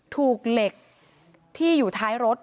ถูกเหล็กที่อยู่ท้ายรถ